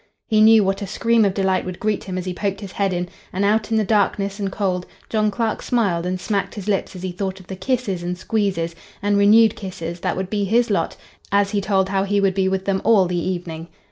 He knew what a scream of delight would greet him as he poked his head in; and out in the darkness and cold John Clark smiled and smacked his lips as he thought of the kisses and squeezes, and renewed kisses that would be his lot as he told how he would be with them all the evening.